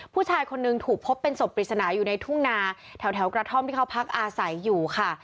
ผู้ชายคนนึงถูกพบเป็นศพปริศนาอยู่ในทุ่งนาแถวกระท่อมที่เขาพักอาศัยอยู่ค่ะ